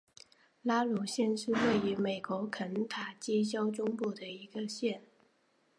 拉鲁县是位于美国肯塔基州中部的一个县。